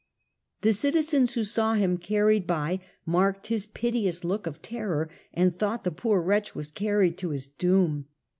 The citizens who saw him carried by marked his piteous look of terror, and thought the poor wretch was carried to his doom.